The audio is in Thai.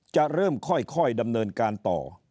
จะเริ่มค่อยดำเนินการต่อ